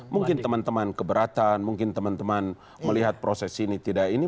mungkin teman teman keberatan mungkin teman teman melihat proses ini tidak ini